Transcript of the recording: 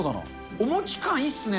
お餅感、いいっすね。